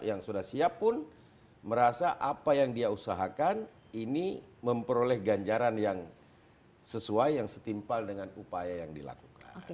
yang sudah siap pun merasa apa yang dia usahakan ini memperoleh ganjaran yang sesuai yang setimpal dengan upaya yang dilakukan